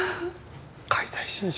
「解体新書」？